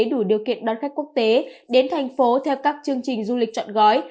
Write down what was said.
đủ điều kiện đón khách quốc tế đến tp hcm theo các chương trình du lịch chọn gói